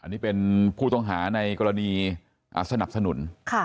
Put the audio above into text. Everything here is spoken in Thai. อันนี้เป็นผู้ต้องหาในกรณีสนับสนุน